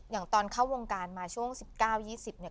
อย่างตอนเข้าวงการมาช่วง๑๙๒๐เนี่ย